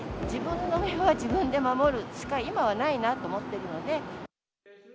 自分の身は自分で守るしかないと今はないなと思ってるので。